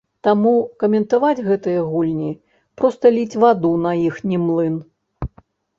Таму каментаваць гэтыя гульні, проста ліць ваду на іхні млын.